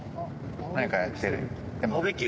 何かやってる。